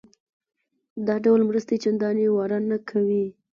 دا ډول مرستې چندانې واره نه کوي.